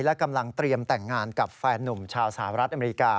และกำลังเตรียมแต่งงานกับแฟนนุ่มชาวสหรัฐอเมริกา